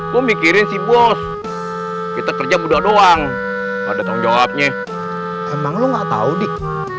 gua mikirin si bos kita kerja budak doang ada tanggung jawabnya emang lo nggak tahu dik